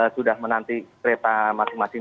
sudah menanti kereta masing masing